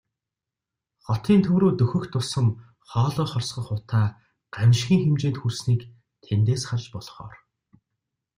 Хотын төв рүү дөхөх тусам хоолой хорсгох утаа гамшгийн хэмжээнд хүрснийг тэндээс харж болохоор.